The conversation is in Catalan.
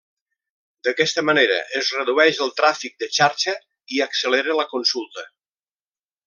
D'aquesta manera es redueix el tràfic de xarxa i accelera la consulta.